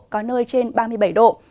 có nơi trên ba mươi bảy độ